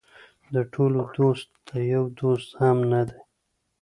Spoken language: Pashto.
د ټولو دوست د یو دوست هم نه دی.